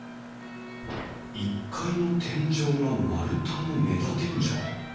１階の天井が丸太の根太天井。